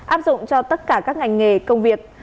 áp dụng cho tất cả các ngành nghề công việc